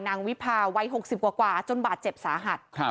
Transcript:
วิภาวัย๖๐กว่าจนบาดเจ็บสาหัส